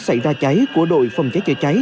xảy ra cháy của đội phòng trái chữa trái